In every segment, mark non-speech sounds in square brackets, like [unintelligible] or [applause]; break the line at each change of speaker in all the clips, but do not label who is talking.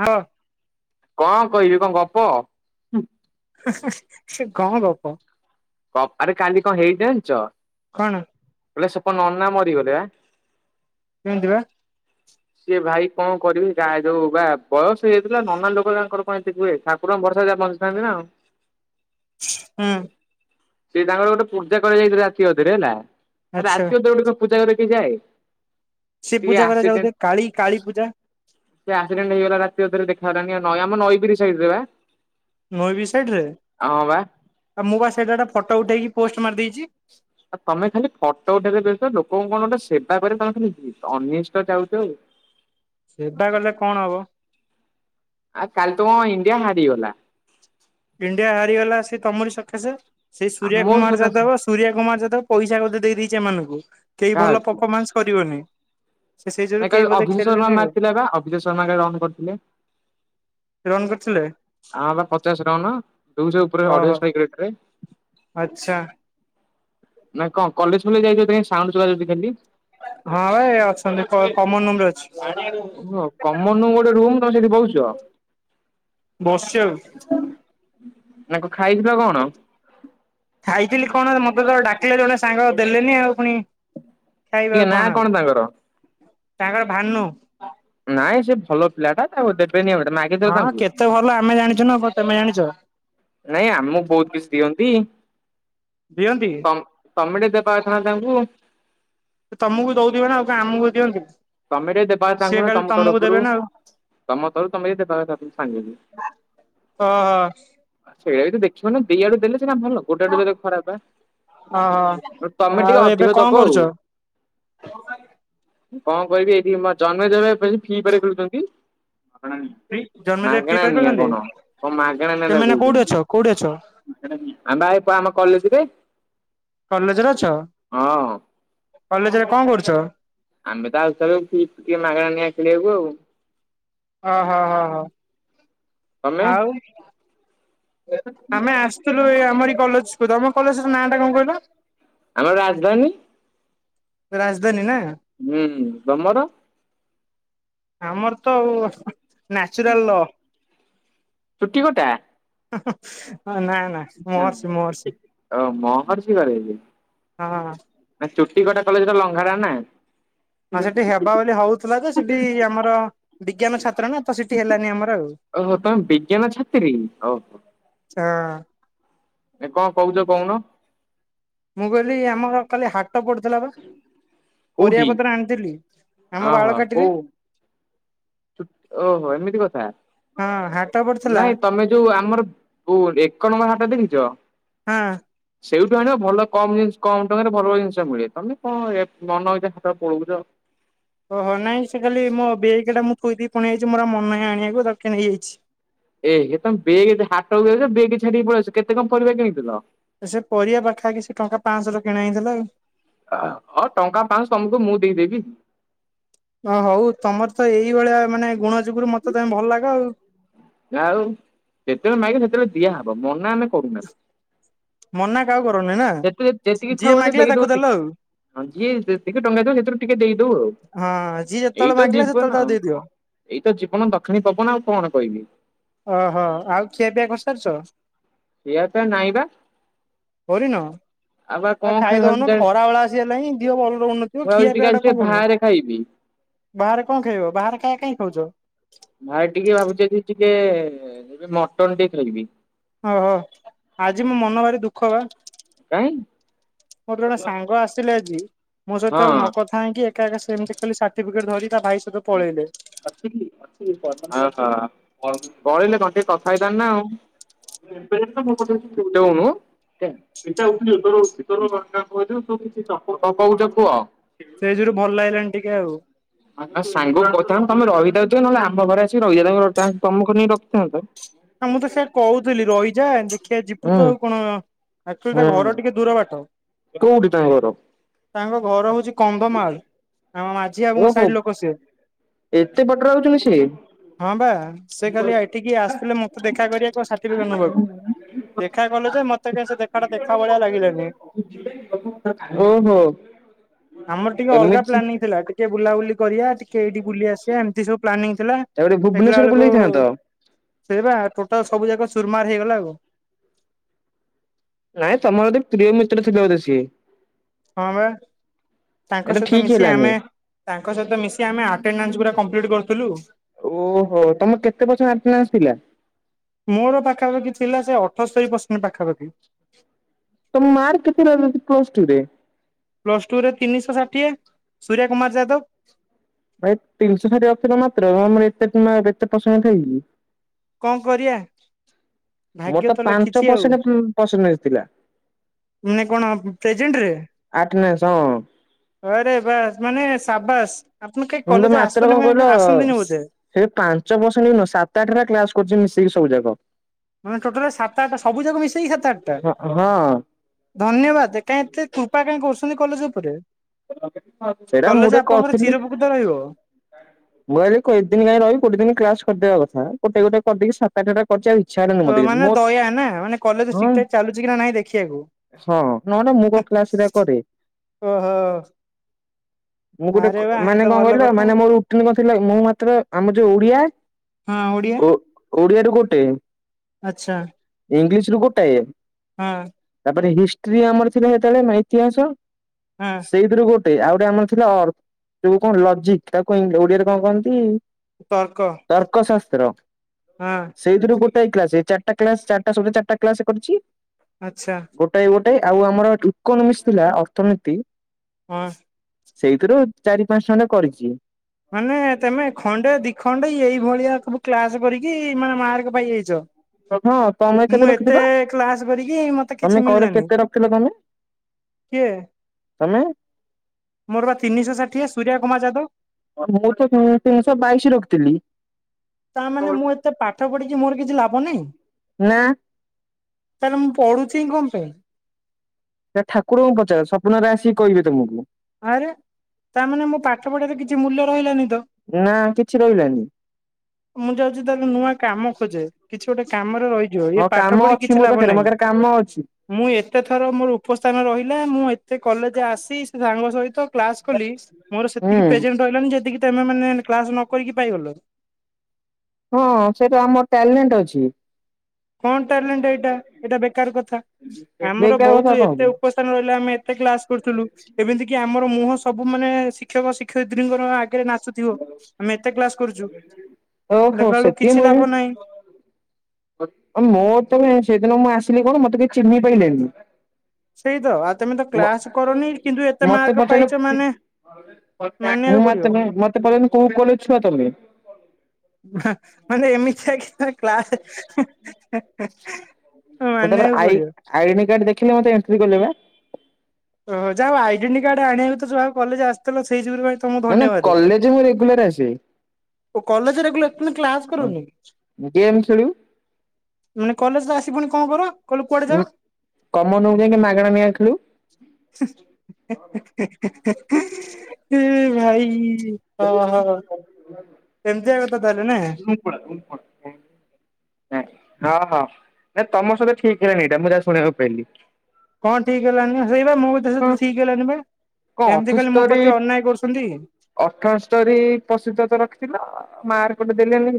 ହଁ
କଁ କହିବି କଁ ଗପ।
ସେ କଁ ଗପ।
କ ଆରେ କାଲି କଣ ହେଇଛି ଯାଣିଚ।
କଣ
କଲେ ସେପ ନନା ମରିଗଲେ ଆ।
କେମିତି ବା।
ସିଏ ଭାଇ କଁ କରିବି ଗାଁ ଯୋଉ ବା ବୟସ ହେଇଯାଇଥିଲା ନନା ଲୋକ ତାଙ୍କର କଣ ଏତିଇକି ହୁଏ। [unintelligible] ବଞ୍ଚିଥାନ୍ତି ନା।
ହୁଁ।
ସେ ତାଙ୍କର ଗୋଟେ ପୂଜା କରାଯାଇଥିଲା ରାତି ଅଧରେ ହେଲା ଆ
ଆଚ୍ଛା
ରାତି ଅଧ ରେ ଗୋଟେ କ ପୂଜା କରିୟାକୁ ଯାଏ।
ସେ
ଟିକେ
ପୂଜା କରାଯାଉ
ଆକ୍ସିଡେଣ୍ଟ
ଥିବେ କାଳୀ କାଳୀ ପୂଜା।
ସେ ଆକ୍ସିଡେଣ୍ଟ ହେଇଗଲା ରାତି ଅଧରେ ଦେଖା ହେଲାଣି ନଈ ଆମ ନଈ ବିିରିଜ୍ ସାଇଡ୍ ରେ ପା।
ନଈ ବ୍ରୀଜ୍ଜ୍ ସାଇଡ୍ ରେ
ବା।
ଆଉ ମୁଁ ବା ସେଟା ଫଟୋ ଉଠେଇକି ପୋଷ୍ଟ ମାରି ଦେଇଛି।
ଆଉ ତମେ ଖାଲି ଫଟୋ ଉଠେଇକ ବି ବିୟସ୍ଥ ଲୋକଙ୍କୁ କଣ ଗୋଟେ ସେବା କ ତମେ ଖାଲି ଅନିଷ୍ଟ ଚାଉଛ ଆଉ।
ସେବା କଲେ କଣ ହବ।
ଆଉ କାଲି ତମ ଇଣ୍ଡିଆ ହାଡିଗଲା।
ଇଣ୍ଡିଆ ହାରିଗଲା ସେଇ ତମରି ସଖାସେ ସେଇ ସୂରିୟା
ଆମ
କୁମାର
ସକାଶେ
ଯାଦବ ସୂରିୟା କୁମାର ଯାଦବ ପଇସା କେ ଦେଇ ଦେଇଛି ଏମାନଙ୍କୁ କେହି ଭଲ
କାହାକୁ?
ପଫମାନ୍ସ କରିବନି। ସେ ସେଇ ଯୋଗୁ
ନ
କେହି
କାଲି
ବୋଧେ
ଅଭିଶେତ ଶର୍ମା
ଖେଳିଲେନି ଆଉ
ମାରଥିଲା ବା ଅଭିଶେତ ଶର୍ମା କାଲି ରନ୍ କରିଥିଲେ।
ରନ୍ କରିଥିଲେ।
ଆଁ ବା ପଚାଶ ରନ ଦୁଇଶହ ଉପରେ ଅଢେଇଶଷ୍ଟା ଇକ୍ ରେଟ୍ ରେ।
ଆଛା
ନା କଁ କଲେଜ ଫଲେଜ୍ ଯାଇ ସାଉଁଣ୍ଡ ଶୁଭାଯାଉଛି ଖାଲି।
ହଁ ଭା ଏ ଅଛନ୍ତି କମନ ରୁମ ରେ ଅଛି।
ଓ କମନ ରୁମ ଗୋଟେ ରୁମ ତମେ ସେଠି ବଉଛ।
ବଶ୍ଚି ଆଉ।
ନା ଙ୍କ ଖାଇଥିଲ କଣ।
ଖାଇଥିଲି କଣ ମତେ ତ ଡାକିଲେ ଜଣେ ସାଙ୍ଗ ଦେଲେନି ଆଉ ପୁଣି ଖାଇବା
କିଏ
କୁ
ନା
କଣ ହେଲା
ତାଙ୍କର
ତାଙ୍କର ଭାନୁ।
ନାଇଁ ସେ ଭଲ ପିଲାଟା। ତାକୁ ଦେବେନି ଆଉ ମାଗିଥିଲ
ହଁ
ତାଙ୍କୁ?
କେତେ ଭଲ ଆମେ ଜାଣିଛୁ ନା କ ତମେ ଜାଣିଛ।
ନାଇଁ ଆମକୁ ବହୁତ କିଛି ଦିଅନ୍ତି।
ଦିଅନ୍ତି
ତ ତମଟେ ଦେବା କଥା ନା ତାଙ୍କୁ।
ତମକୁ ଦଉଥିବ ନା ଆଉ କ ଆମକୁ ଦିଅନ୍ତି।
ତମେ ଟିକେ ଦେବା କଥା
ସିଏ
ତାଙ୍କୁ ନା
ଖାଲି
ତମ
ତମକୁ ଦେବେ
ତରଫରୁ
ନା ଆଉ।
ତମ ତରୁ ତମେ ଦେବା କଥା ତମ ସାଙ୍ଗକୁ।
ହଁ ସ।
ସେଇଟା ବି ତ ଦେଖିବନା ଦିଆଡୁ ଦେଲେ ଶିନା ଭଲ। ଗୋଟେ ଆଡୁ ଦେଲେ ଖରାପ
ଓହୋ
ତମେ
ଆଉ
ଟିକେ
ଏବେ
ଅଧିକ
କଣ
ଦବ
କରୁଛ?
ଆଉ। କଣ କହିବି ଏଇଠି ଜନ୍ମେ ଜ ବସି ଫିଫାର୍ ଖେଳୁଛନ୍ତି।
ଫ୍ରି ଜନ୍ମଜୟ ଫ୍ରି
ମାଗଣା
ଫାୟାର
ନିଆଁ
ଖେଳୁଛନ୍ତି
କଣ କଣ ମାଗଣା ନା
ତମେ ଏଇନା କୋଉଠି ଅଛ
କହୁଛନ୍ତି।
କୋଉଠି ଅଛ
ଆମେ ପା ଏଇ ଆମ କଲେଜ୍ ରେ।
କଲେଜ୍ ରେ ଅଛ
ହଁ
କଲେଜ୍ ରେ କଣ କରୁଛ?
ଆମେ ତ ଆଉଛୁ [unintelligible] ମାଗଣା ନିଆ ଖେଳିବାକୁ ଆଉ।
ଓହୋ ହ ହ
ତମେ?
ହ ଆଉ ଆମେ ଆସୁ ଥିଲୁ ଏଇ ଆମରି କଲେଜ୍ କୁ ତମ କଲେଜ୍ ର ନାଁଟା କଣ କହିଲ?
ଆମର ରାଜଧାନୀ।
ରାଜଧାନୀ ନା?
ହୁଁ ତମର?
ଆମର ତ ଆଉ ନ୍ୟାଚୁରାଲ।
ଚୁଟି କଟା।
[inaudible] ହଁ ନା ନା ମୋହର୍ଷି ମୋହର୍ଷି
ଓ ମହର୍ଷି କଲେଜ
ହଅ।
ନା ଚୁଟି କଟା କଲେଜ୍ ଟା ଲଘା ଟା ନାଁ?
ହଁ ସେଠି ହେବା ବୋଲି ହଉଥିଲା ଯେ ସେଠି ଆମର ବିଜ୍ଞାନ ଛାତ୍ର ନା ତ ସେଠି ହେଲାନି ଆମର ଆଉ।
ଓହୋ ତମେ ବିଜ୍ଞାନ ଛାତ୍ରୀ ଓହୋ?
ହଅ।
ଏ କଣ କହୁଛ କହୁନ?
ମୁଁ କହିଲି ଆମର କାଲି ହାଟ ପଡୁଥିଲା ପା। ପରିବା
କୋଉଠି?
ପତ୍ର ଆଣିଥିଲି ଆମ
ଓହୋ
ବାଳକାଟିରେ
କୋଉ ଓହୋ ଏମିତି କଥା?
ହଁ ହାଟ ପଢ଼ି
ନାଇଁ ତମେ ଯୋଉ ଆମର ପୁ ଏକ ନମ୍ବର ହାଟ ଦେଖିଛ?
ହଁ।
ସେଇଠୁ ଆଣିବ ଭଲ କମ୍ ଜିନିଷ କମ୍ ଟଙ୍କାରେ ଭଲ ଜିନିଷ ମିଳେ ତମେ କଣ ଏ ମନ ଇଚ୍ଛା ହାଟ ପଲୋଉଛ
ଓହୋ ନାଇଁ ସେ ଖାଲି ମୋ ବେଗ୍ ଟା ମୁଁ ଥୋଇଦେଇକି ପଳେଇ ଆଇଛି ମୋର ଆଉ ମନେ ନାହିଁ ଆଣିବାକୁ ତାକୁ କିଏ ନେଇଯାଇଛି।
ଏହେ ତମେ ବେଗ୍ ଟା ହାଟକୁ ଯାଉଛ ବେଗ୍ ଛାଡିକି ପଳେଇଆଉଛ କେତେ କଣ ପରିବା କିଣିଥିଲ?
ସେ ପରିବା ପାଖା ପାଖି ସେ ଟଙ୍କା ପାଞ୍ଚଶହ କିଣା ହେଇଥିଲା ଆଉ
ହଉ ଟଙ୍କା ପାଞ୍ଚଶହ ତମକୁ ମୁଁ ଦେଇଦେବି।
ଅ ହଉ ତମର ତ ଏଇଭଳିଆ ମାନେ ଗୁଣ ଯୋଗୁରୁ ମତେ ତମେ ଭଲ ଲାଗ ଆଉ
ଆଉ ଯେତେବେଳେ ମାଗିବ ସେତେବେଳେ ଦିଆହବ ମନା ଆମେ କରୁନୁ।
ମନା କାହାକୁ କରନି ନା
ଯେତେ ଯେତିକି ଇଚ୍ଛା
ଯିଏ
ହଉଛି
ମାଗିଲା
ଦେଇଦଉ
ତାକୁ
ଟିକେ।
ଦେଲ ଆଉ
ହଁ ଯିଏ ଯେତିକି ଟଙ୍କା ଦୋଉ ସେଥିରୁ ଟିକେ ଦେଇଦଉ ଆଉ
ହଁ ଯିଏ ଯେତେବେଳେ
ଏଇତ
ମାଗିଲା ସେତେବେଳେ
ଜୀବନ
ତାକୁ
ଆଉ
ଦେଇଦିଅ।
କଣ ଏଇ ତ ଜୀବନ ଦକ୍ଷିଣୀ ପବନ ଆଉ କଣ କହିବି।
ଓହୋ ଆଉ ଖିଆ ପିଆ କରିସାରିଛ?
ଖିଆ ପିଆ ନାଇଁ ପା।
କରିନ? ଆ
କଣ ଖାଇ
ଖାଇଦଉନୁ
ଭାବିଛି
ଖରା ବେଳ ଆସିକି ହେଲାନି ଦିହ ଭଲ ରହୁନଥିବ
ମୁଁ ଭାବୁଛି
ଖିଆ
ଟିକେ
ପିଆ
ଆଜି
ଗୁଡା
ଟିକେ
କଣ କରୁନୁ।
ବାହାରେ ଖାଇବି।
ବାହାରେ କଣ ଖାଇବ ବାହାରେ କାଇ ଖାଇ ଖାଉଛ?
ଭାଇ ଟିକେ ଭାବୁଛି ଆଜି ଟିକେ ମଟନ୍ ଟିକେ ଖାଇବି।
ଓହୋ ଆଜି ମୋ ମନ ଭାରି ଦୁଃଖ ବା
କାଇଁ?
ମୋର ଜଣେ ସାଙ୍ଗ ଆସିଲେ ଆଜି ମୋ ସହିତ
ହଁ।
ନକଥା ହେଇକି ଏକା ଏକା ସେମିତି ଖାଲି ସାର୍ଟିଫିକେଟ୍ ଧରି ତା ଭାଇ ସହିତ ପଳେଇଲେ।
ଆ ହା ପଳେଇଲେ କଣ ଟିକେ କଥା ହେଇଥାନ୍ତା ନା ଆଉ। [unintelligible] କଣ କହୁଛ କୁହ?
ସେଇ ଥିରୁ ଭଲ ଲାଗିଲାଣି ଟିକେ ଆଉ
ଆ ସାଙ୍ଗରା କହିଥାନ୍ତେ ତମେ ରହିଥାନ୍ତ ଟିକେ ନହେଲେ ଆମ ଘରେ ଆସିକି ରହିଥାନ୍ତ ତମକୁ ନେଇ ରଖିଥାନ୍ତେ
ମୁଁ ତ ସେ କହୁଥିଲି ରହିଯା ଦେଖିଆ ଯିବୁ
ହୁଁ
ତ ଆଉ କଣ ଆଚୁଆଲି ତା
ହୁଁ
ଘର ଟିକେ ଦୂର ବାଟ।
କୋଉଠି। ତାଙ୍କ ଘର?
ତାଙ୍କ ଘର ହଉଛି କନ୍ଧମାଲ ଆମ ମାଝି ବାବୁଙ୍କ
ଓହୋ
ସାଇଡ ଲୋକ ସିଏ।
ଏତେ ବାଟରେ ଆଉଛନ୍ତି ସିଏ?
ହଁ ବା ସେ ଖାଲି ଏଠିକି ଆସିଥିଲେ ମୁଁ ଦେଖା କରିବା କୁ ସାର୍ଟିଫିକେଟ ନବାକୁ। ଦେଖା କ କଲେ ଯେ ମତେ କାହିଁ ସେ ଦେଖା ଟା ଦେଖା ଭଳିଆ ଲାଗିଲାନି।
ଓହୋ
ଆମର ଟିକେ ଅଲଗା
ଏମିତି।
ପ୍ଲାନିଂ ଥିଲା ଟିକେ ବୁଲାବୁଲି କରିବା ଟିକେ ଏଇଠି ବୁଲି ଆସିବା ଏମିତି ସବୁ ପ୍ଲାନିଂ ଥିଲା।
ତାପରେ
ଦେଖିଲା
ଭୁବନେଶ୍ଵର
ବେଳକୁ
ବୁଲେଇଥାନ୍ତ।
ସେଇ ବା ଟୋଟାଲ ସବୁ ଯାକ ଚୁର୍ ମାର୍ ହେଇଗଲା ଆଉ।
ନାଇଁ ତମର ଜଦୀ ପ୍ରିୟ ମିତ୍ର ଥିଲେ ବୋଧେ ସିଏ?
ହଁ ବା। ତାଙ୍କ
ଏଇଟା
ସହିତ
ଠିକ
ମିଶି ଆମେ,
ହେଲାନି।
ତାଙ୍କ ସହିତ ମିଶି ଆମେ ଆଟେଣ୍ଡାନ୍ସ ପୁରା କମ୍ପ୍ଲିଟ୍ କରୁଥିଲୁ।
ଓହୋ ତମର କେତେ ପର୍ସସେଣ୍ଟ୍ ଥିଲା?
ମୋର ପାଖାପାଖି ଥିଲା ସେ ଅଠସ୍ତରୀ ପର୍ସେଣ୍ଟ ପାଖାପାଖି।
ତମ ମାର୍କ କେତେ ରହିଲା କି ପ୍ଲସ୍ ଟୁ ରେ?
ପ୍ଲସ୍ ଟୁ ରେ ତିନିଶହ ଷାଠିଏ। ସୁରିଆ କୁମାର ଯାଦବ।
ଭାଇ ତିନିଶହ ଷାଠିଏ ଅଛି ଜମା, ମାତ୍ର ପ୍ରେରମ ରେଟ୍ ରେ ତମେ, ଏତେ ପର୍ସେଣ୍ଟ ଥାଇକି।
କଣ କରିବା
ମୋର
ଭାଗ୍ୟ ତ
ପାଞ୍ଚ
ଲେଖିଛି ଆଉ।
ପରସେଣ୍ଟ ପରସେଣ୍ଟେଜ ଥିଲା
ମାନେ କଣ ପେଜେଣ୍ଟ ରେ?
ଆଟେନାସ୍ ହଁ।
ଆରେ ବାସ୍, ମାନେ ସାବାସ୍ ଆପଣ କେହି
ମୁଁ ତ
କଲେଜ
ମାତ୍ର କଣ
ଆସନ
କହିଲ
ମାନେ ଆସନ୍ତିନି ବୋଧେ?
ସେ ପାଞ୍ଚ ପର୍ସେଣ୍ଟ ନୁହଁ। ସେ ସାତ ଆଠ ଟା କ୍ଲାସ କରୁଛି ମିଶିକି ସବୁ ଯାକ।
ମାନେ ଟୋଟାଲ ସାତ ଆଠଟା ସବୁ ଯାକ ମିଶେଇକି ସାତ ଆଠଟା?
ହଁ
ଧନ୍ୟବାଦ କାହିଁ ଏତେ କୃପା କାଁଇ କହୁଛନ୍ତି କଲେଜ ଉପରେ?
ସେଟା ମୁଁ
କଲେଜ
ଟେ
ଆପଣଙ୍କର
କହିଲି।
ଚିରଉପକୃତ ରହିବ।
ମୁଁ ଭାବିଲି କଏ ଦିନ କାଁଇ ରହିବି ଗୋଟେ ଦିନି କ୍ଲାସ୍ କରିଦବା କଥା। ଗୋଟେ ଗୋଟେ କରିଦେଇି ସା ପାଠ ଟା କରିଛି ଆଉ ଇଚ୍ଛା ହେଲା ହେଲାନି।
ତୋର
ମତେ କିନ୍ତୁ
ମାନେ
ମୋ
ଦୟା ନା ମାନେ କଲେଜ
ହଁ
ଠିକ୍ ଠାକ୍ ଚାଲୁଛି କି ନା ନାଇଁ ଦେଖିବାକୁ।
ହଁ ନହେନେ ମୁଁ କଣ କ୍ଲାସ୍ ହାରିକା କରେ।
ଓହୋ।
ମୁଁ ଗୋଟେ
ଆରେ ବା ଏ
ମାନେ
ତ
କଣ
ଭଲ
କହିଲ
କଥା
ମାନେ ମୋର ଉଠୁଣି କଣ ଥିଲା କି, ମୁଁ ମାତ୍ର ଆମ ଯୋଉ ଓଡିଆ
ହଁ ଓଡ଼ିଆ
ଓଡିଆ ରୁ ଗୋଟେ
ଆଛା।
ଇଂଲିଶ ରୁ ଗୋଟାଏ।
ହଁ।
ତାପରେ ହିଷ୍ଟ୍ରି ଆମର ଥିଲା ସେତେବେଳେ ନା ଇତିହାସ।
ହୁଁ।
ସେଇଥିରୁ ଗୋଟେ। ଆଉ ଗୋଟେ ଆମର ଥିଲା ଅର୍ଥ ଯୋକୁ କଣ ଲଜିକ୍ ତାକୁ ଓଡିଆରେ କଣ କହନ୍ତି?
ତର୍କ
ତର୍କଶାସ୍ତ୍ର।
ହଁ
ସେଇଥିରୁ ଗୋଟାଏ କ୍ଲାସ୍। ଏଇ ଚାରିଟା କ୍ଲାସ୍। ଚାରିଟା ସବ୍ଜେକ୍ଟ ଚାରିଟା କ୍ଲାସ୍ କରିଛି।
ଆଛା।
ଗୋଟାଏ ଗୋଟାଏ, ଆଉ ଆମର ଇକୋନୋମିକ୍ସ ଥିଲା ଅର୍ଥନୀତି
ହଁ।
ସେଇଥିରୁ ଚାରି ପାଞ୍ଚ ଟା ଖଣ୍ଡେ କରିଛି।
ମାନେ ତମେ ଖଣ୍ଡେ ଦି ଖଣ୍ଡେ ଏଇ ଭଳିଆ ସବୁ କ୍ଲାସ୍ କରିକି ମାନେ ମାର୍କ ପାଇଯାଇଛ?
ହଁ ତମେ କେତେ
ମୁଁ ଏତେ
ରଖିଥିଲ?
କ୍ଲାସ୍ କରିକି ମତେ
ତମେ
କିଛି
କହିଲ
ମିଳିଲାନି?
କେତେ ରଖିଥିଲ ତମେ?
କିଏ?
ତମେ
ମୋର ବା ତିନିଶହ ଷାଠିଏ ସୁରିଆ କୁମାର ଯାଦବ।
ମୁଁ ତ ତିନିଶହ ବାଇଶି ରଖିଥିଲି।
ତା ମାନେ ମୁଁ ଏତେ ପାଠ ପଢିକି ମୋର କିଛି ଲାଭ ନାହିଁ?
ନା।
ତା ହେଲେ ମୁଁ ପଢ଼ୁ ଥିଲି କଣ ପାଇଁ?
ସେ ଠାକୁରଙ୍କୁ ପଚାର ସ୍ୱପ୍ନରେ ଆସି କହିବେ ତମକୁ।
ଆରେ ତାମାନେ ମୋ ପାଠ ପଢାରେ କିଛି ମୂଲ୍ୟ ରହିଲାନି ତ?
ନା କିଛି ରହିଲାନି।
ମୁଁ ଯାଉଛି ତାର ନୂଆ କାମ ଖୋଜେ କିଛି ଗୋଟେ କାମରେ ରହି ଯୋ ଇଏ
ହଁ କାମ
ପାଠ ପଢି
ଅଛି
କିଛି
ମୋ
ଲାଭ
ପାଖରେ ମୋ
ନାହିଁ।
ପାଖରେ କାମ ଅଛି।
ମୁଁ ଏତେ ଥର ମୋର ଉପସ୍ଥାନ ରହିଲା ମୁଁ ଏତେ କଲେଜ ଆସି ସେ ସାଙ୍ଗ ସହିତ କ୍ଲାସ କଲି ମୋର
ହୁଁ
ସେତିକି ପ୍ରେଜେଣ୍ଟ ରହିଲାନି ଯେତିକି ତମେ ମାନେ କ୍ଲାସ ନ କରିକି ପାଇଗଲ।
ହଁ ସେଇଟା ଆମର ଟ୍ୟାଲେଣ୍ଟ ଅଛି।
କଣ ଟଲେଣ୍ଟ ଏଇଟା ଏଇଟା ବେକାର କଥା ଆମର
ବେକାର କଥା
ବହୁତ
କଣ
ଏତେ ଉପସ୍ ରହିଲେ ଆମେ ଏତେ କ୍ଲାସ କରୁଥିଲୁ ଏମିତି କି ଆମର ମୁହଁ ସବୁ ମାନେ ଶିକ୍ଷକ ଶିକ୍ଷୟିତ୍ରୀଙ୍କର ଖୀରେ ନାଚୁଥିବ ଆମେ ଏତେ କ୍ଲାସ କରୁଛୁ
ଓହୋ
ଦେଖିଲା ବେଳକୁ କିଛି ଲାଭ ନାହିଁ।
ମୋ ତ ସେଦିନ ମୁଁ ଆସିଲି କଣ ମତେ କି ଚିନି ପାଇଲେଣିି
ସେଇ ତ ଆଉ ତମେ ତ କ୍ଲାସ କରନି କିନ୍ତୁ ଏତେ
ମତେ
ମାର୍କ
ପଚାରିଲେ
ପାଇଛ ମାନେ
ମୁଁ
ମାନିବାକୁ ପଡିବ।
ମତେ ମତେ ପଯ୍ୟନ୍ତ କୋଉ କଲେଜ ଛୁଆ ତମେ
ମାନେ ଏମ ଚ୍ଛା କି କ୍ଲାସ
ମୁଁ ତାପରେ
ମାନିବାକୁ ପଡିବ।
ଆଇଡି କାର୍ଡ ଦେଖିଲେ ମତେ ଏଣ୍ଟ୍ରି କଲେ ବା।
ଓହୋ ଯାହାଉ ଆଇଡେଣ୍ଟି କାର୍ଡ ଆଣିବାକୁ ତଉ କଲେଜ ଆସିଥିଲ ସେଇ ଯୁରୁ ପାଇଁ
ନା ନା କଲେଜ ମୁଁ ରେଗୁଲାର ଅଛି।
ମୁଁ କଲେଜ ରେଗୁଲ ମାନେ କ୍ଲାସ କରୁନି
ଗେମ୍ ଖେଲିବୁ
ମାନେ କଲେଜରେ ଆସି ଫୁଣି କଣ କର କହିଲେ କୁଆଡେ ଯାଅ?
କମ ନଉ ଯାଇକ ମାଗଣା ନେଇ ଆସିଥିଲୁ।
[inaudible] ଏ ଭାଇ। ହଁ ହଁ।
[inaudible]
ଏମିତିଆ କଥା ତାହେଲେ ନା?
[inaudible] ହଁ ହଁ ନାଇଁ ତମ ସହିତ ଠିକ ହେଲାଣିି ଏଇଟା ମୁଁ ଯାହା ଶୁଣିବାକୁ ପାଇଲିି।
କଣ ଠିକ୍ ହେଲାନି ସେଇ ବା ମୁଁ
ହଁ
ଠିକ ହେଲାନ ବା
କଣ
ଏମିତି ଖାଲି ମୋ ପ୍ରତି ଅନ୍ୟାୟ କରୁଛନ୍ତି।
ଅଠ ସ୍ତରୀ ପ୍ରତିଶତ ତ ରଖିଥିଲ ମାକ ଗୋଟେ ଦେଲେନି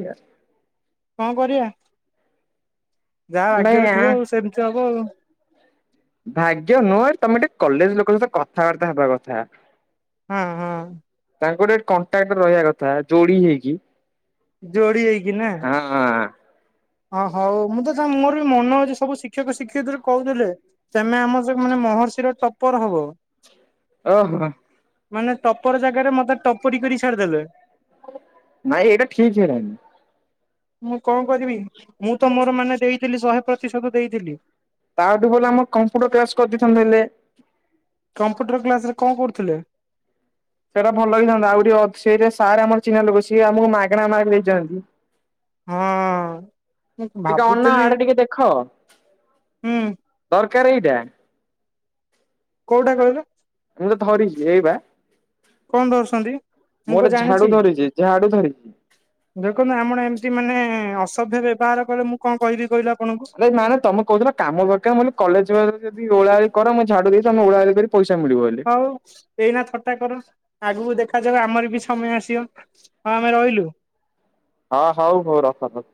କଣ କରିବା ଯାହା
ଭାଇ
ଭଗ୍ୟରେ
ଆଁ
ଥିବ ଆ ସେମିତି ହବ ଆଉ।
ଭାଗ୍ୟ ନୁହରେ ତମେ ଟିକେ କଲେଜ ଲୋକଙ୍କ ସହିତ କଥାବାର୍ତ୍ତା ହେବା କଥା।
ହଁ ହଁ।
ତାଙ୍କ ଗୋଟେ କଣ୍ଟ୍ରାକ୍ଟ ରହିବା କଥା ଯୋଡି ହେଇକି।
ଯୋଡି ହେଇକି ନା।
ହଁ।
ହଁ ହଉ ମୁଁ ତ ତା ମୋର ବି ମନ ଅଛି ସବୁ ଶିଖ ଶିକ୍ଷକ ଶିକ୍ଷିତ କହୁଥିଲେ ତମେ ଆମ ସ ମାନେ ମହର୍ଷିର ଟପର ହବ।
ଓହୋ।
ମାନେ ଟପର ଜାଗାରେ ମତେ ଟପରି କରି ଛାଡିଦେଲେ।
ନାଇଁ ଏଇଟା ଠିକ ହେଇଲାଣି।
ମୁଁ କଣ କରିବି ମୁଁ ତ ମୋର ମାନେ ଦେଇଥିଲି ଶହେ ପ୍ରତିଶତ ଦେଇଥିଲି।
ତାଠୁ ଭଲ ଆମ କମ୍ପ୍ୟୁଟର କ୍ଲାସ କରିଦେଇଥାନ୍ତେ ହେଲେ
କମ୍ପୁଟର କ୍ଲାସ ରେ କଣ କରୁଥିଲେ?
ସେଇଟା ଭଲ ହେଇଥାନ୍ତା ଆଉ ଟିକେ ସେଇଟା ସାର୍ ଆମର ଚିହ୍ନା ଲୋକ ସିଏ ଆମକୁ ମାଗଣା ମି ଦେଇଥାନ୍ତି।
ହଁ। ମୁଁ
ଟିକେ ଅନା
ଭାବୁଥିଲି
ଆଡେ ଟିକେ ଦେଖ
ହୁଁ
ଦରକାର ଏଇଟା
କୋଉଟା କହିଲ
ମୁଁ ତ ଧରିଛି ଏଇ ବା
କଣ ଧରୁଛନ୍ତି?
ମୁଁ
ମୁଁ କଣ
ଗୋଟେ
ଜାଣିଛି
ଝାଡୁ ଧରିଛି ଝାଡୁ ଧରିଛି।
ଦେଖନ୍ତୁ ଆମଣ ଏମିତି ମାନେ ଅସଭ୍ୟ ବ୍ୟବହାର କଲେ ମୁଁ କଣ କହିବି କହିଲ ଆପଣଙ୍କୁ?
ନାଇ ନା ନା ତମେ କହୁଚ ନା କାମ ପାଖରେ ମୁଁ [unintelligible] କାମ ଦରକାର କହିଲି କଲେଜ ଯିବାବେଳେ ଯଦି ଓଳା ଓଳି କର ମୁଁ ଝାଡୁ ଦେଇି ତମେ ଓଳା ଅଳି କରି ପଇସା ମିଳିବ ବୋଲି।
ହଉ ଏଇନା ଥଟା କର ଆଗକୁ ଦେଖାଯାଉ ଆମର ବି ସମୟ ଆସିବ। ହଁ ଆମେ ରହିଲୁ।
ହଁ ହଉ ହଉ ରଖ।